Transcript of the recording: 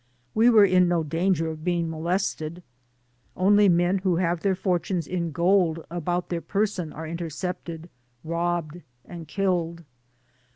We were in no danger of being molested. Only men who have their fortunes in gold about their person are intercepted, robbed and killed.